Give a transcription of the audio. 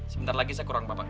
sebentar lagi saya kurang bapak